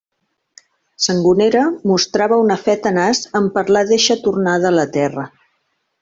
Sangonera mostrava una fe tenaç en parlar d'eixa tornada a la Terra.